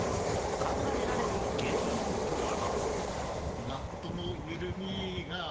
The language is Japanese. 考えられる原因とは。